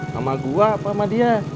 sama gua apa sama dia